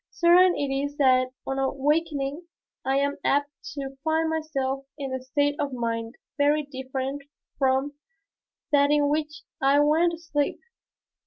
Certain it is that on awakening I am apt to find myself in a state of mind very different from that in which I went to sleep.